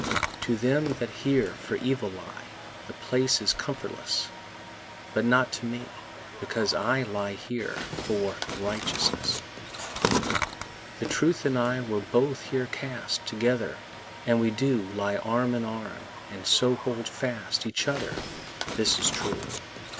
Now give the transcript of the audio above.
To them that here for evil lie The place is comfortless, But not to me, because that I Lie here for righteousness. The truth and I were both here cast Together, and we do Lie arm in arm, and so hold fast Each other; this is true.